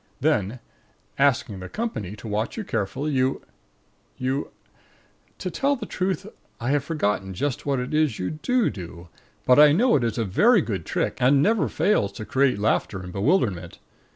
Then, asking the company to watch you carefully, you you To tell the truth, I have forgotten just what it is you do do, but I know that it is a very good trick, and never fails to create laughter and bewilderment.